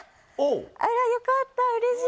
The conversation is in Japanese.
あらよかったうれしい。